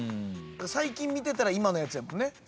最近見てたら今のやつやもんね。